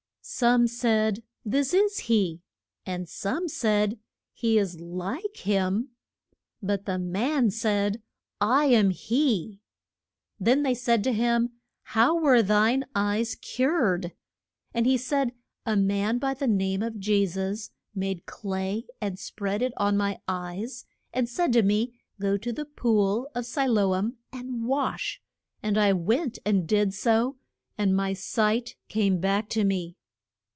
Some said, This is he; and some said, He is like him; but the man said, I am he. Then they said to him, How were thine eyes cured? And he said, A man, by the name of Je sus, made clay and spread it on my eyes, and said to me, Go to the pool of Si lo am and wash; and I went and did so, and my sight came back to me.